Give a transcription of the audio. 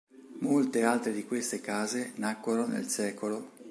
Molte altre di queste case nacquero nel sec.